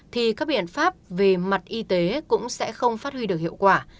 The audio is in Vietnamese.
thì các biện pháp về mặt y tế cũng sẽ không phát huy được hiệu quả